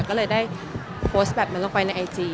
ก็เลยได้โพสต์แบบนั้นลงไปในไอจี